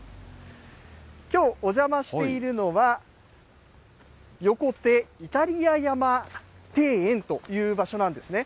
きょうお邪魔しているのは、よこてイタリア山庭園という場所なんですね。